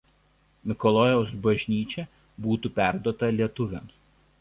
Mikalojaus bažnyčia būtų perduota lietuviams.